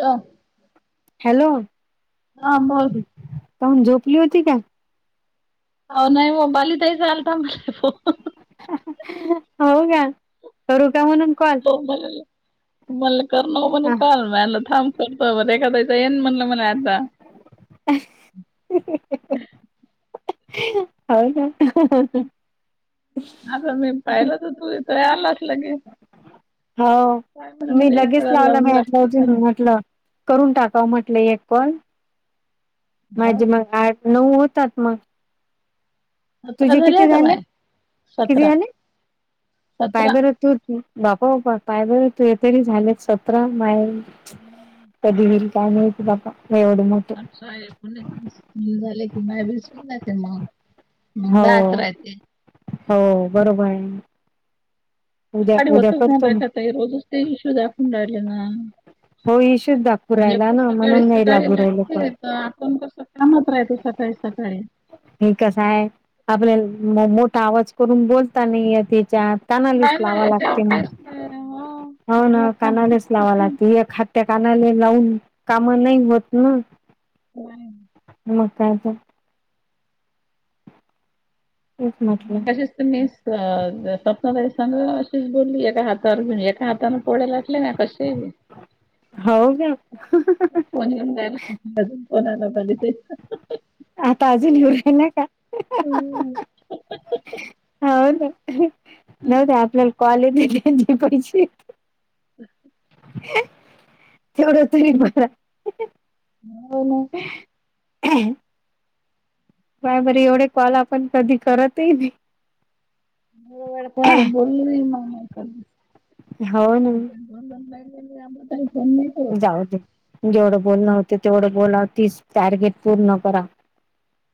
ह्ं hello ह बोल खाऊन झोपली होती का? नाही हो म बाली ताईचा आलता मला फोन. हो का करू का म्हणून कॉल? म्ह म्हण करण म्हण हा काल मलं थांब करतो म एखादा चयन म्हणलं म्हणा आता. हो ना [inaudible] आता मी पाहिलंच हो तू इथ आलाच लगे. हो काय म्हणे मी मला एक लगेच वेळा लावला लावून लागते का [unintelligible] म्हटलं करून टाकाव म्हटलं एक कॉल हो माझे मग आज नऊ होतात मग. सतरा तुझे किती आता झाले? माय किती सतरा झाले? काय सतरा बर तू बापा बापा पाय बर तु तरी झालेत सतरा मायल ह [inaudible] कधी होईल काय माहिती बाबा एवढ मग. अच्छा झाले की नाही बसून ना ते मग. मग हो दहाच राहते हो बरोबर आहे. उद्या सकाळी उद्या होतच करतो म्ह मी काता रोजच ते इश्यू दाखवून राहिले ना. हो इशूच दाखवू एक राहिला तर ना सकाळी म्हणून नाही सकाळी लागू राहिल का लागते. तर आपण कसं कामात राहायचं, सकाळी सकाळी. हे कस हाय, आपल्याला मोठा आवाज करून बोलता नाही हेच्यात. कानालीच नाही नाही लावा याच्यावर लागते मग, काहीच नाही हो हो मग ना एखाद कानालीच लावा किती? लागते त्या कानाला लावून काम नाही होत ना. नाही. मग काय तर, तेच म्हटलं? मगाशीच मी स्वप्नाताई सांगा, अशीच बोलली एका हात. तर म्हणे एका हातानं पोळ्या लाटल्या ना कसे. [unintelligible] त्याला बसून कोणा ला बघतयं. आता अजून येऊ [unintelligible] का? हम्म. हो हो ना नव्हत, आपल्याला कॉलेज [unintelligible] ह अ [unintelligible] तेवढं तरी बरयं. हो ना. ह [unintelligible] बाय बरे एवढे कॉल आपण, कधी करतही नाही. मी एवढे कोणाला बोलले नाही [unintelligible] हो ना. दोन महिने झाले, अमृताला फोन नाही. करत. जाऊ दे जेवढं बोलणं होते, तेवढं बोला तीस टार्गेट पूर्ण करा.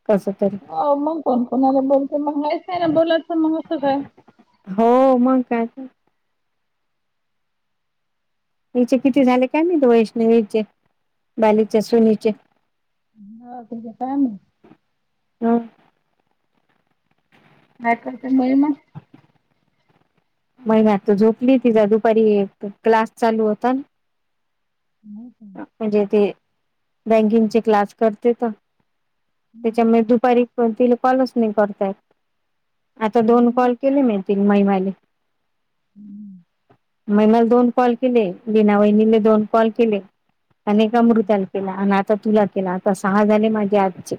कसं तरी. अ मग कोण कोणाला बोलते, मगायचं आहे ना बोलायचं मग असं काय? हो, मग काय? पिछे पिछे जाने का नही, तो वैष्णवीचे बालीच्या सुनेचे. ह किती टाइमयं? [unintelligible] काय करते, महीमा? महिमा तर झोपली तिचा दुपारी क्लास चालू होता ना. का? म्हणजे, ती बँकिंगचे क्लास करते का? त्याच्यामुळे हम्म. दुपारी तिला कॉलच नाही करता येत. आता हो दोन ना. कॉल केले, मी ती महिमाले. हम्म. महिमाला दोन कॉल केले, विना वहिनीने दोन कॉल केले. अनेक हम्म. अमृताला केला, आणि आता तुला केला आता सहा झाले माझे आजचे.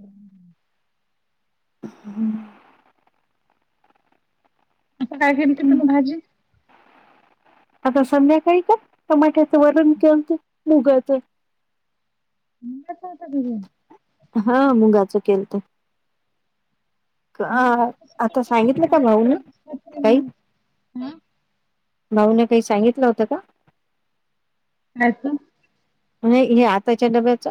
हम अ ह ह [unintelligible] आता काय केलती, तुम्ही भाजी? आता संध्याकाळी का टमाट्याचं वरण केलतं, मुगाचं. सकाळ [unintelligible] हा मुगाचं केलत. हा आ आता सांगितलं का भाऊन काही. ना भाऊ न काही सांगितलं होतं का? नायचं नाही हे आताच्या डब्याच.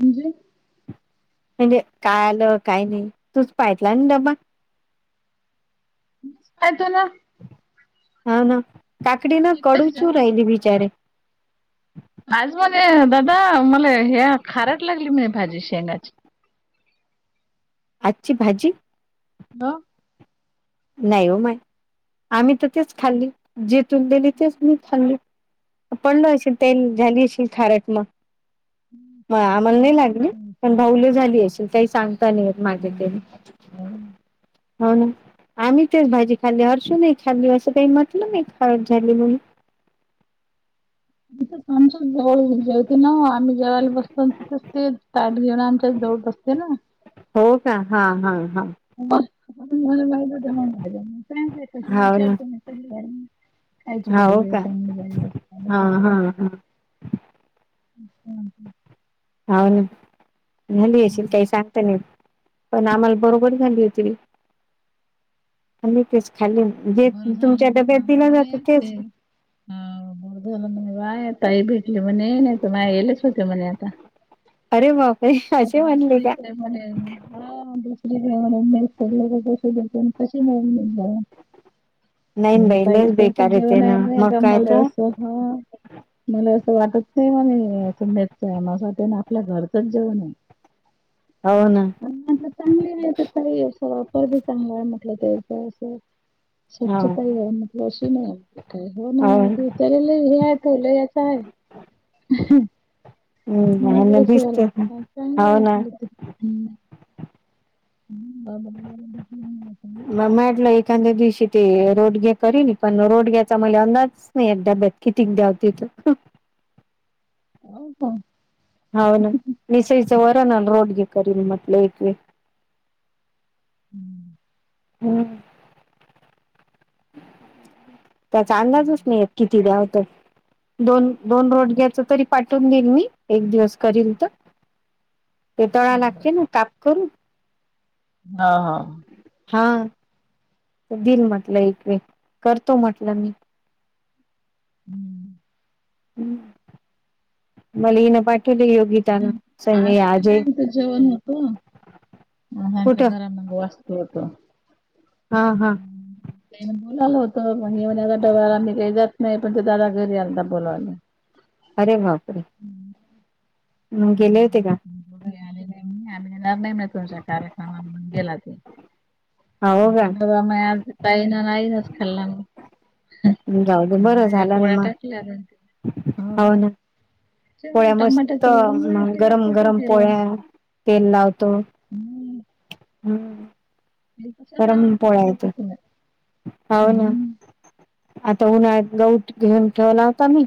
म्हणजे? म्हणजे का आलं काही नाही, तूच पाहितला ना डबा. काय झालं? हा, ना काकडी ना तिकडच कडू चू जेवण. राहिली बिचारे आज म्हणे दादा मला हे खारट लागली म्हणे, भाजी शेंगांची. आजची भाजी ब [unintelligible] नाही हो माय आम्ही तर तेच खाल्ली जे तुम्ही दिली तेच मी खाल्ली पलो असशल [unintelligible] ते झाली अशील खारट मग म आम्हाला नाही लागले हम्म. पण भाऊलं झाली अशेल काही सांग ता नाही येत माझ्या तेने हो ना आम्ही तेच भाजी खाल्ली हरषू नाही खाल्ली असं काही म्हटलं नाही खारठ झाली म्हणून [unintelligible] आम्ही जेवायला बसताव तिथच ते ताट घेऊन आमच्या जवळ बसते ना. हो का हा हा हा. मला माहि मग कशी हाव ना, विचारत क [unintelligible] कायची हाव बाजू का? चांगली बाजू कस हां, [unintelligible] हां, हां. अच्छा हाव ना झाली असशील काही सांगता नाही येत पण आम्हाला बरोबर झाली होती आम्हि तेच खाल्ली जे बरं झालं तुमच्या डब्यात दिला जातं तेच हा बर झाला म्हणे बाय अ ताई भेटली म्हणे नाही तर माय आलेच होते म्हणे आता अरे बापरे आता असे म्हणले का? दुसरीकडे म्हणे हा दुसरी [unintelligible] कशी मिळून जाऊ नाहीन म्हणजे बाई ताई लयच तर खूप बेकारे ये जेवण ना आहे म्हणे मग का काय मला तर असं हा मला असं वाटत नाही मने [unintelligible] असच असं वाटत ना आपल्या घरचंच जेवण आहे हो ना. चांगली आहे ते काही अस वापर बी चांगला आहे म्हटल्यावर असं अस [unintelligible] हो, चलेलं हो. हं, हे आ ठवलं याच आहे [unintelligible] म दिसतंय ना. देश दिसतं ना. हो चांगलय [unintelligible] ना. लागलं ह बाबा बाला देखणी अस [unintelligible] म्हटल एखाद्या दिवशी ते रोडग्या करीन पण रोडग्याचा मला अंदाज ना येत डब्यात कितिक [unintelligible] द्याव ते तर हो का? हव ना मिसईचं वर ना रोडगे करील म्हटलं एक व हम्म [inaudible] हम्. त्याचा अंदाजच नाही किती द्याव तो दोन दोन रोडघ्याच तरी पाठवून देईल मी एक दिवस करील तर ते तळायला लागते ना काप करून? हा हा,. हा, तेदिल म्हटलं एक वेळ करतो म्हटलं मी. हम्म, [inaudible] ह मले हि न पाय आज त्याला ईथ जेवण होतं अ आच्या कुठं घरा मग वास्तूक होतो [unintelligible] हा हा. का बोलायला होतं आ डवला [unintelligible] [unintelligible] मी काही जात नाही पण ते दादा घरी आता बोलायला अरे बापरे म गेले होते का? आले नाही आम्ही येणार नाही म तुमच्या कार्यक्रम गेला ते हो का बाबा म आ पाहि ना नाही नाच खाल्ला म [unintelligible] जाऊ दे, बरं झालं ना मग. दोन तीन. हो ना, ते म्हणे पोळ्या मस्त टमाट्याचं वरण मग लागले गरम कसं गरम केलं? पोळ्या, तेल लावतो हम्म. हं हे कशाचं परंपारायेत आवडतं तुला? हव ना. हम्म. आता उन्हाळ्यात गऊट घेऊन ठेवला होता मी.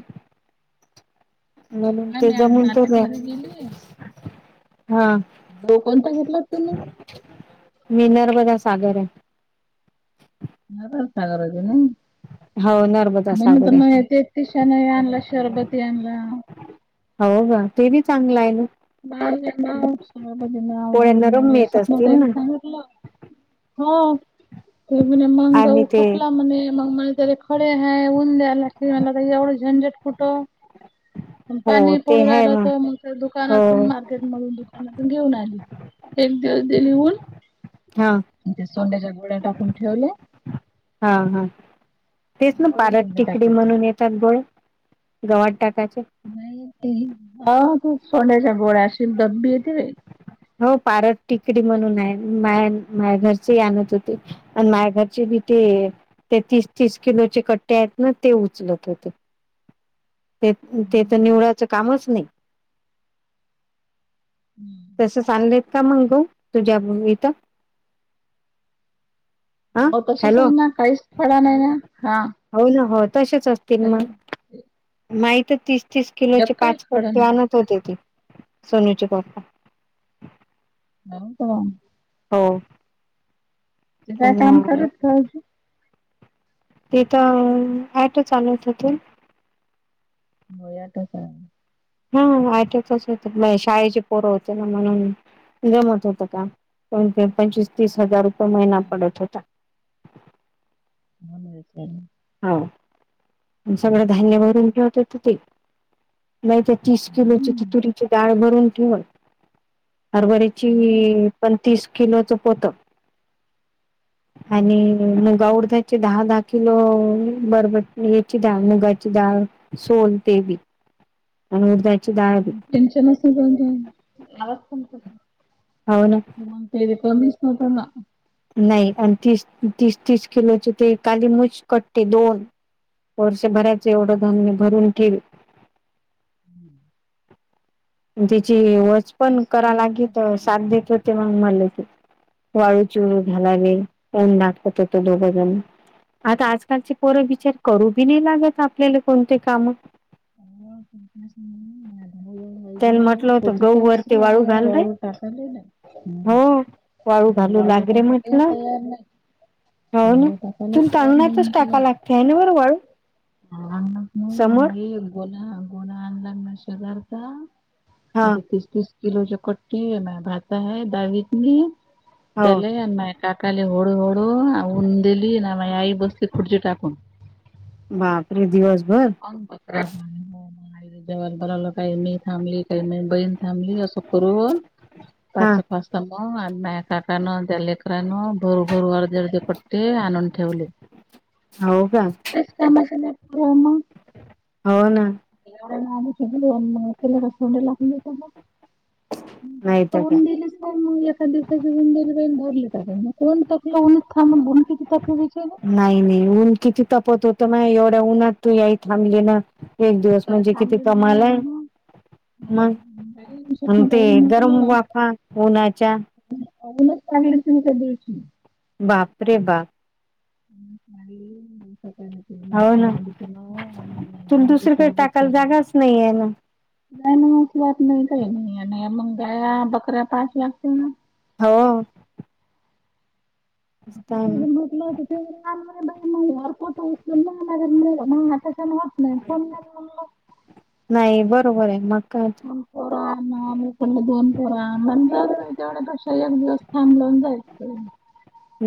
म्हणून नाही ते मी आज जमून तर न्या. मार्केटमध्ये हा - डो कोणता घेतला तुने. मि नर्मदा सागर. नार सगर दे ना हो नर्मदा म्हण त सागर म आहे या तेऽ तिशा नई आणला, शरबती आणला. हाऊ का ते बी चांगलं आहे ना. बाळ जा, सगय बजमा पोळ्यांना रम्य येत स्वप्ना असतील ताईला ना सांगा. हा ते म आणि मगाऊ ते खपला मने म म ज खडे हाय. उन द्यायला लागते मला एवढं झंझट कुठं? अन हो पाणी ते पडू आहे राहिलं होतं, मग त्या हो दुकानात मार्केट मधून दुकानातून घेऊन आली एक दिवस दिली ऊन. हां. म्ह तेे सोंड्याच्या गोळ्या टाकून ठेवल्या. हा, हा तेच ना भरून पारट ठेवले टेकडी टाकीत. म्हणून येक त्यात गोळ्या गवात टाकायच्या. नाही ते हे ह खूप सोंड्याच्या गोळ्या असशील दबबी येेते की हो पारत टिकडी म्हणून आहे माया माया घरची आणत होती. आणि माया घरचे बी ते ते तीस तीस किलोचे गट्टे आहेत ना ते उचलत होते. ते त ते तर निवळा्याचं कामच नाही. तस चांगलेत का मंगऊ. तू जाब मग इथ. हो तसच आहे ना काहीच खडा नाही ना हां. होय ना हो तसेच असतील मग. माही तर तीस तीस यात किलोची काही खडा पाचपट्टी नाही. आणत होते ते सोनूचे पाप्पा. नाइ न तवा - हो. तो काय काम पण करत खायची. तिथ ॲटो चालवता तो. हो याटच हाय. हा हा हा ऑटोच असे तर शाळेचे पोरं होते ना म्हणून. जमत होत काम कोण ते पंचवीस तीस हजार रुपये महिना पडत होता. [unintelligible] हाऊ आणि सगळं धान्य भरून ठेवत होत ते. नाही तर तीस किलोची ति तुरीची डाळ भरून ठीवलं. हरभरीची पण तीस किलोचं पोतं. आणि म ग ऊडधाची दहा दहा किलो बरबट याची डाळ मुगाची डाळ सोल ते बी आणि उडदाची दाळ बी टेन्शन असेल पण आवाज कमी कर हो ना मग ते कोणीच नव्हतं ना. नाही आणि तीस तीस तीस किलोचे ते कालिमुच कट्टे दोन. वर्षभराचं एवढं हम्म. धान्य भरून ठेवील. [unintelligible] त्याची वच पण तेच करा म्हणावं आता लागेत कसं आहे. साथ देत होते मग मला की वाळू चुर हम्म. घालागे पाऊण नाकटत तो दोघजण. आता आजकालचे पोर विचार करू बी नाही लागत आपल्याला कोणते काम त्याला म्हटलं [unintelligible] होतं गहू वरती वाळू घाल रे हो [unintelligible] वाळू घालू वाळू लाग रे टाकायला म्हटलं [unintelligible] तयार नाही हो ना वाळू टाकायला तून तयार नाही तळणाचाच म्हटलं टाका लागते आहे ना बरोबर [unintelligible] आणलाच नाही मग समोर बाई [unintelligible] एक गोला गोला आणलाग ना शेजारता हा आता तीस तीस [unintelligible] किलो जो कटती ह म भाता है दावीतली [unintelligible] हो त्याल ना काकाली होळू होोळू उंद दिली नाम याई बसली खुर्चीिटाकून [unintelligible] बापरे दिवसभर [unintelligible] जन प [unintelligible] काही मी थांबली काही मी बहीण थांबली असं कर [unintelligible] हा पाच पाचम आणि मा काका न जलेकररान भोर भर अर्ध अर्द क [unintelligible] ते आनंद ठेवले [unintelligible] हो का [unintelligible] त्या का माम [unintelligible] हो ना [unintelligible] केला कस लाकेत [unintelligible] नाही तर का न दिलंच का म [unintelligible] त्यावसंदर धरली का कोण तकलाथान बती तक विच ना [unintelligible] नाही नाही ऊन किती तपत होत मग एवढ्या उनात तू याई थांबले ना [unintelligible] एक दिवस तर म्हणजे किती थांबली ना म्हणे कमाला [unintelligible] मग मग म्ह स्वप्न ते ताईला गरम म्हटलं वाफा उन्हाच्या [unintelligible] अजूनच पाांगलं तुम क दि [unintelligible] बापरे बाप [unintelligible] ह का हो ना मस [unintelligible] तुला हुशार दुसरीकडे टाकायला प जागाच नाही आहे ना [unintelligible] नाही नाही अशी वाात नाही काही नाही नाही मग गया बकऱ्या पाच लागतील ना [unintelligible] हो [unintelligible] ते म्हटलं तेरत [unintelligible] त म आताच्या होत नाही फण म्ह [unintelligible] नाही बरोबर आहे मग [unintelligible] दो पोराकडलं दोन पोरा म्हण तेवढ्या पक्ष एक दिवस थांब लावून जाई हम्म [unintelligible]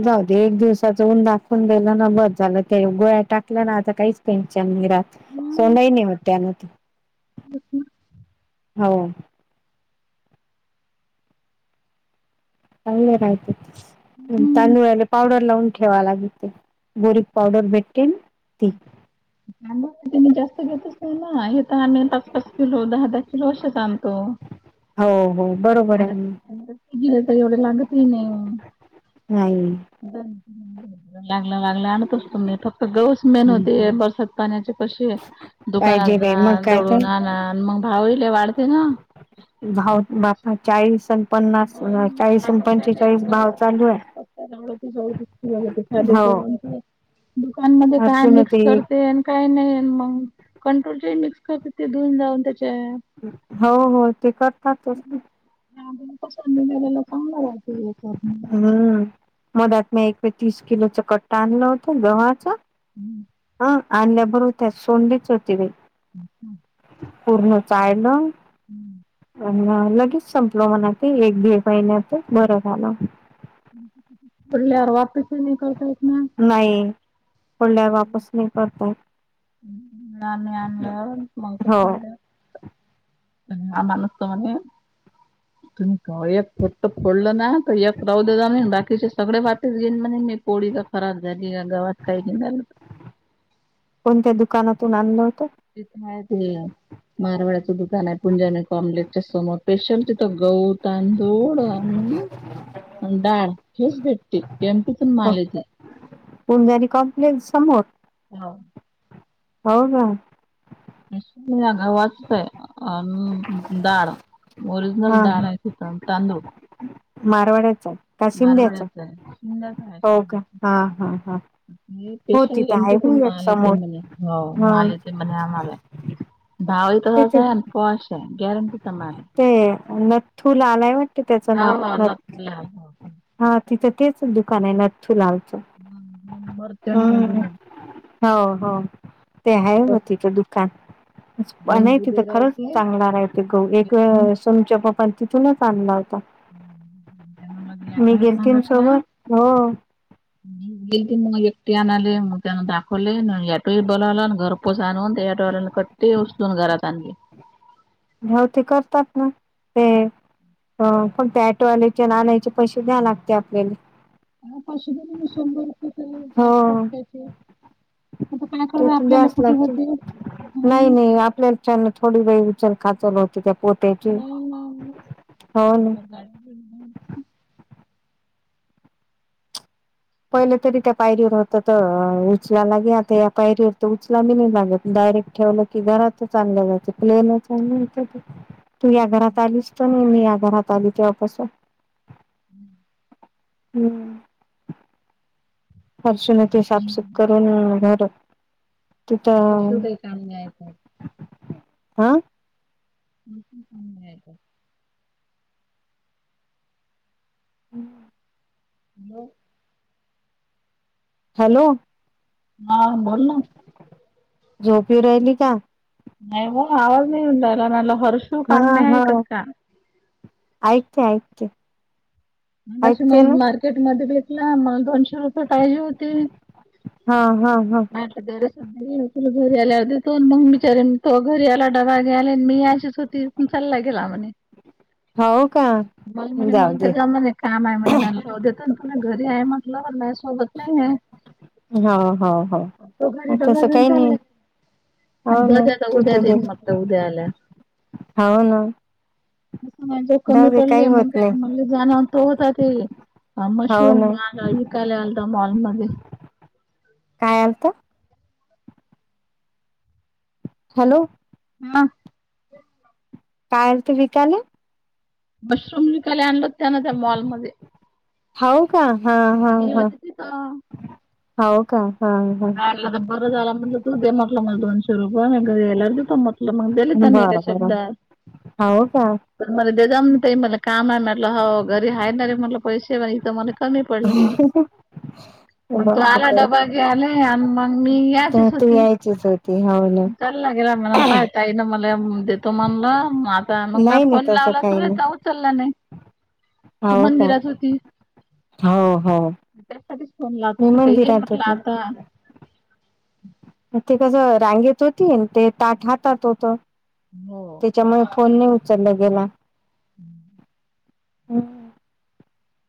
जाऊ दे एक दिवसाचं ऊन दाखवून दिलं ना बघ झालं ते गोळ्या टाकल्या ना आता काहीच [unintelligible] त्यांच्या निरात सोंडाई नाही हो त्यानत [unintelligible] बच्ा [unintelligible] हो [unintelligible] चांंगले रायते तर तांदूळाले पौडर लावुन [unintelligible] ठेवा लागते बोरीक पावडर भेटते [unintelligible] हम् [unintelligible] कांदा ती जास्त घेतच नाही ना हे तर आम्ही पाच पाच किलो दहा दहा किलो असेच आणतो. हो हो बरोबर [unintelligible] अर गेलं तर एवढं लागतही नाही [unintelligible] नाही [unintelligible] लागलं लागलं आणतोच तुम्ही फक्त गऊच [unintelligible] बात पाण्या क दुकाना पाहिजे बाई मग ज काय तर [unintelligible] मग भावले वाढते ना [unintelligible] भाव बापा चाळीस पन्नास मग चाळीस पंचेचाळीस भाव चालू आहे [unintelligible] हो दुकानमध्ये काय हर्षून मिक्स ते करते काही नाही मग कंट्रोल मिक्स करत ते दन जाऊन [unintelligible] हो हो ते करतातच [unintelligible] तस मिलेला चांगला राहियच कर [unintelligible] हम्म मध्यात मी एक तीस किलोचा कट्टा आणला होता ना गव्हाचा हम्म ह आणल्या बरो त्यात सोंलीच होती बाई हम् हम पूर्ण चाळलं हम्म होना लगेच संपल म्हणा ते एक दीड महिन्यात बरं झालं फोडल्यार वापीस नाही करतायेत ना नाही फोडल्यावर वापस नाही करतायेत नाही आम्ही आनलं मग हो कशाले त्या आम्हालास तर म्हणे तुम्ही कव्हा यात फक्त फोडलं ना तर एक राहू दे जा बाकीचे सगळे वाट तीचे वडील म्हणे मी पोळी जर खराब झाली या गव्हात काही निघाल तर कोणत्या दुकानातून आणलं होतं ते तर ह ते [inaudible] मारवाड्याचं दुकान आहे पुंजाने कॉमलेटच्या समोर स्पेशल तिथं गऊ तांदूळ अन ह [unintelligible] डाळ हेच भेटते एमपीतून माल येतो पुंंजाणे कॉप्लेस समोर हा हो का वाचतय अ डाळ ओरिजनल हा दाळ नी तांदूळ मारवाड्याचा का शिंद्याच्या मारवाड्याचा आहे शिंद्याचा आहे हो का शिंद्याचा हा हा हा हो स्पेशल तिथं एम आहे पी तुन बघ एक माल येते समोर म्हणे हो हा मा येते म्हणे आम्हाला भावा तर ते वाचाल पाॅश आहे गॅरंटीचा माल आहे. ते नथथू लाल हाय वाटते त्याचं हा नाव हा न नक्की या हा तिथं तेच दुकान आहे नथथू लावचं हा नंबर त्यांनी दिलाय हो हो ते आहे न तिथं दुकान दोन नाही तिथं बुधे खरंच राहायचे चालणार आहे टीकाउ एक वेळ तनुच्या पप्पानी तिथूनच आणला होता त्यानं मग मी ऑटोही गेलती न सांगितला सोबत हो मी गेल ती मग एकटी आणाले मग त्यांना दाखव खले ना याटो बलावला घरपोस आणून याटो वालान कट्टे उचलून घरात आणली हाव ते करतात ना ते अ पण त्या ऑटोवाल्याच्या न आनायचे पैसे द्या लागते आपल्याले हा पाचशे शंभर रुपये तरी पाच हो टक्कयाचे आता काय ते करू तर आपल्याला कुठे ब ह आपल्या त्यांना थोडी बाई उचल खाचल होती त्या पोत ना ना. नााड [inaudible] पहिलं तरी त्या पायरीवर होत तर अ उचला लागे आता या पायरीवर तर उचलाबी नाही लागत डायरेक्ट ठेवलं कि घराच चांगलं जायचं प्लेन चांलन व्हायचं त तू या घरात आलीस त न मी या घरात आली तेव्हापासून हम्म हम्म हर्षूने ते साफसुफ करून घर ना तिथं काही काम नाही ऐकत हा [unintelligible] हम्म. हॅलो. हॅलो. हा बोल ना. झोपी राहिली का? नाही गं आवाज नाही यून राहिला म्हणलं, हर्षू काम हा नाही हा ऐकत का? ऐकते ऐकते. मघाशी म ऐकते ना मार्केट मध्ये भेेटला. मला दोनशे रुपये पाहिजे होते. हा हा हा. [unintelligible] बाई तुला घरी आल्यावर देतो, मग बिचारे तो घरी आला डबा घ्याला अन् मी अशीच होती. चालला गेला म्हणे. हाव का? मला म्हणे मला जाऊदे. त्याच्या म्हणे काम आहे म्हणे म देतोन तुला, घरी आहे म्हटलं नाही माझ्या सोबत नाही आहे. हव हव तो घरी हव डबा तसं घेऊन काही चालला नाही. हो आणि ना दर आता तू उद्या तर देईन देत, म्हटलं उद्या आल्यावर हाव ना. तो म्हणलो कमी जाऊ दे पडली काही मग होत नाही काय म्हण जाणार तर होता ते हा हाव मशरूम ना माल विकाय आलता मॉल मध्ये. काय आलत? हॅलो. हा. काय आलते विकायले? मशरूम विकायला आणलं होत त्यान त्या मॉलमध्ये. हाव का, हा हा मी हा. होते तिथं. हाव का, हा हा. बर झाला म्हणलं तु दे म म्हटलं म दोनशे रुपये, मग घरी आल्यावर देतो मग. आपल मग, दिले त्याने एका बरं बरं शब्दात. हाव का प म दे जा ते म्हणे काम आहे म्हटलं हो घरी हाय णारे म्हटलं पैसे. इथं मले कमी पडले. मग तो बरं आला बरं डबा घ्याले मग मी तर यायचीच तू होती. यायचीच होती हाव ना चालला गेला म्ह पाहा काही ना मला, देतो म्हणलं मा मग म्या नाही नाही फोन तसं लावला तू काही नाही उचलला नाही. तू हाव का मंदिरात होती. हो हो. त्यासाठीच फोन मी लागतो काही य मंदिरात म्हटलं होती. आता. मग ते कसं रांगेत होती, अन ते ताट हातात होतं. हो. त्याच्यामुळे फोन नाही उचलला गेला.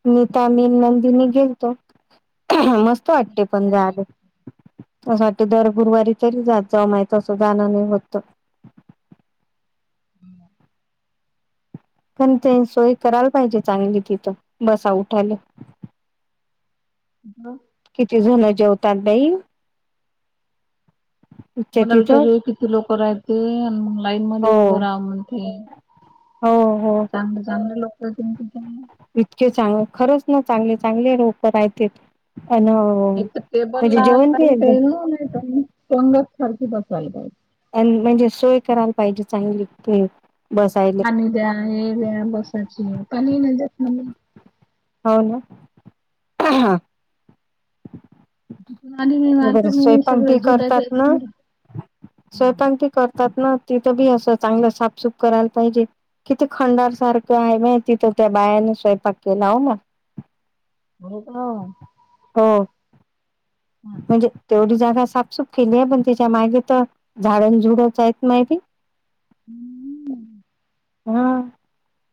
नीता न मी मंदिरनी गेलतो. मस्त मस्त वाट्टते पण जायले. असं वाटतंय दर गुरुवारी तरी जात जा, माय असं जाणं नाही होत तर. [unintelligible] पण तेन सोय करायला पाहिजे चांगली तिथं, बसा उठाले. हा. किती झूण जेवतात बई. इथच्या मला तिथं विचारू किती लोक राहते अन मग लाईन हो मध्येच उभं राह म्हणते. हो हो. चांगल चांगल लोक असतीना तिथे. इतके चांग खरंच ना चांगले चांगले लोक राहतेत. अन एक तर टेबल म्हणजे लावायला जेवण बी पाहिजे एकदम ते न, नाहीतर मग पंगत सारखी बसावायला पाहिजे. अन म्हणजे सोय करायला पाहिजे चांगली तिथे. पाणी द्या हे द्या बसायची. पाणी नाही देत ना [unintelligible] हो ना. तिथून आली मी बर मार्केट मधून स्वयंपाक सगळे बि झुल्याच्या करतात ना इथून हा स्वयंपाक करतात ना तिथं बी असं चांगलं साफसूफ करायला पाहिजे. किती खंडार सारखं आहे माय तिथं त्या बायाने स्वयंपाक केला हो म. हेच ना हो हम म्हणजे तेवढी जागा साफसूफ केली आहे पण त्याच्या मागे तर झाडांझुडच आहेत माहीते. हम्म हम्म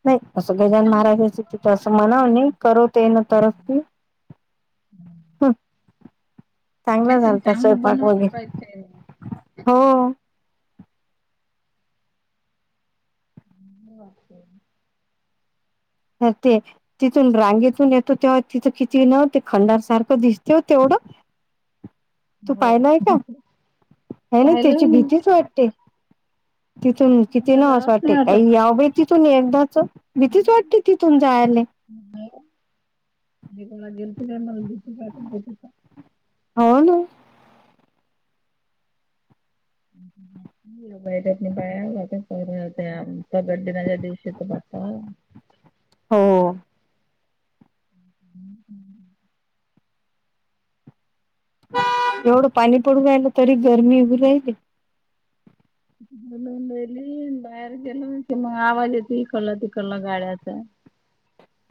नाही असं गजानन चांगलं महाराजाच तिथे बनवायला असं म्हणाव पाहिजे. नाही कर तेन तरफती चांगला नाही पण झालता चांगलं स्वयंपाक बनवायला वगैरे पाहिजे. हो. [unintelligible] ह ते तिथून रांगेतून येतो तेव्हा तिथं किती न ते खंडार सारखं दिसत तेवढं. तू हो पाहिलाय का ह ना पाहिलं त्याची मी ना भीतीच वाटते. ते तिथून किती मला न असं जावंच वाटते नाही काही याव बाई तिथून एकदाच. भीतीच हम्म वाटते तिथून जायला हे एकदा गेलथी बाई मला भीतीच वाटत होती त हो ना [unintelligible] [unintelligible] टत बायाला ते आ प्रकट दिनाच्या दिवशी तर बाप्पा हो हम्म एवढं पाणी पडू राहिला तरी गरमी होऊ राहिली. बोलून राहिली बाहेर गेल क मग आवाज येतो इकडलं तिकडलं गाड्याचा.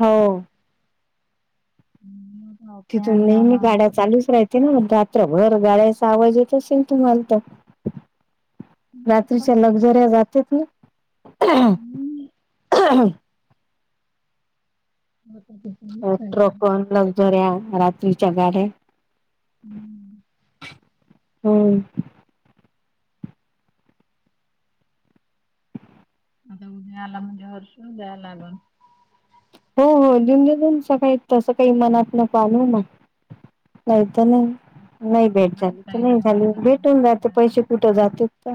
हो तिथून फॅन नेहमी लावला. गाड्या चालूच राह ते ना रात्रभर गाड्याचा आवाज येत असेल तुम्हाला तर. रात्रीच्या लक्झऱ्या जात ना. हो तर कि हो ट्रकन लक्झऱ्या रात्रीच्या गाड्या. हम्म हो आता उदयाला म्हणजे ह्या वर्षी जायला लागण. हो हो देऊन दिऊन सकाळी तसं काही मनात नको आनु ना नाहीत नाही नाही मला भेट झाली तर ताईला नाही मला झाली घरी घेऊन भेटून जात पैसे कुठे जात तर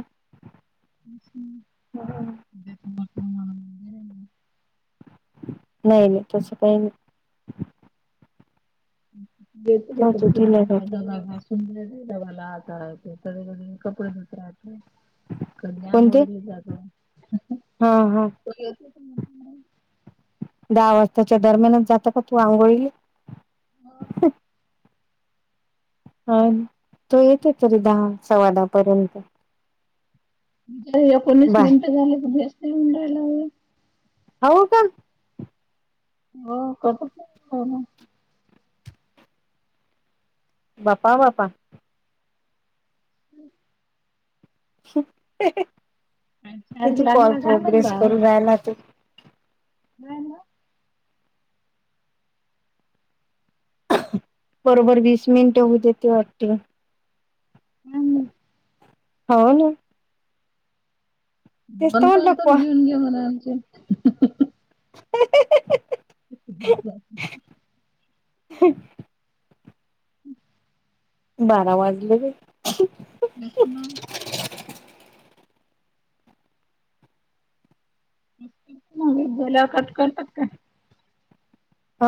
नाही मान [unintelligible] नाही नाही तसं काही नाही. देत जाऊ तेेत द घ दिलं जात डब्याला आचारायच सगळेकडे कपडे धुत राहायचे. कन्या कोणते हा आंघोळीला जा जो हा. कुणी तिथील मनील माय. दहा वाजताच्या दरम्यानच जात का तू आंघोळी ले. हम्म हा तो येते तरी दहा सव्वा दहापर्यंत. एकोणीस बाय मिनिटं झाले त व्यस्त येऊन रहायला हो. आ हो का हो हो हो बापा वापा हम्म आणि चार्ज किती लागला काय माहित प्रोग्रेस करू रायला तू राहील. बरोबर वीस मिनिट होत होते वाटत. हम्म. हो ना. दोन कॉल तर घेऊन घे म्हणा आमचे. ह [unintelligible] ब ब [unintelligible] हम्. बारा वाजलेले. लक्ष्मण बला कट कर पटकन. आ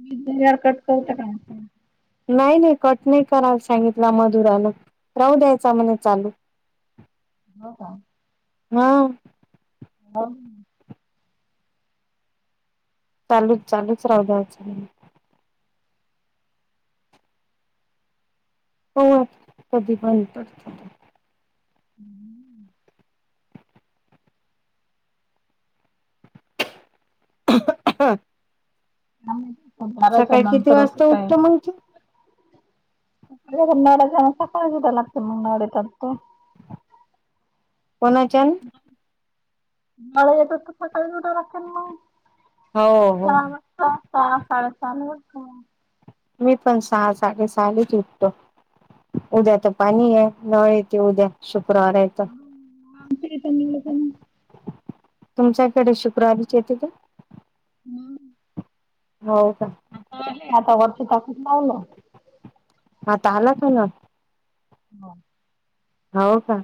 मी दिल्यावर कट करता का म असं. नाही नाही कट नाही करायला सांगितलं मधुरान राहू द्यायचा म्हणे चालू. हो का. हा. बोल. चालूच चालूच राहू द्या असं म्हटलं. हो कधी पण कट झाले हम्. ह [unintelligible] बाराच्या किती नंतर असं वाजता काय उठतो मग तू ना्याच्या [unintelligible] सकाळी जुठ लागते मग तगतो कोणाच्या? नवरा जातो मग सकाळी उठावं लागतं मग, हो हो सहाला. सहा साडेसहाला उठतो. मी पण सहा साडेसहलाच उठतो. उद्या तर पाणी आहे, नळ येत उद्या. शुक्रार आहेे तर. हम्म, आमच्या इथं मिळत ना. तुमच्याकडे शुक्रवारीचे येते का? हम्म. हो का. आता आले आता वरच्या टाकीत लावल. आता आलाच आहे ना. हा. हो का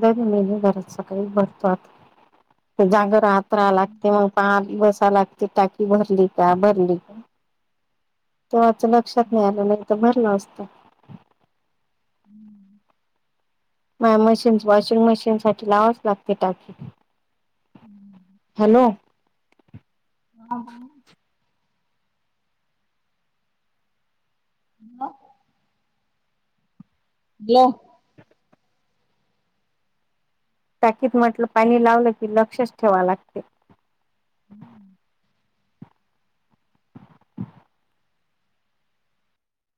दरी मी घरात सकाळी भरतो आता जागर रात्र हम्म. लागते मग पाच बसा लागते. त टाकी भरली का भरली का तेव्हाच लक्षात नाही आलं नाही भरलं असत हम्म म मशीन वॉशिंग मशीन साठी लावाच लागते टाकी. हम्म. हॅलो हा मग. हॅलो. बलो [unintelligible] टाकीत म्हटलं पाणी लावलं की लक्षच ठेवा लागते. हम्म